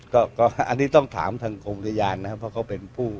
มีการที่จะพยายามติดศิลป์บ่นเจ้าพระงานนะครับ